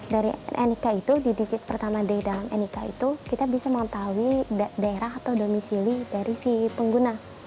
dari nik itu di digit pertama di dalam nik itu kita bisa mengetahui daerah atau domisili dari si pengguna